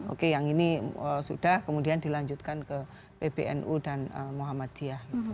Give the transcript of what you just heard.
oke yang ini sudah kemudian dilanjutkan ke pbnu dan muhammadiyah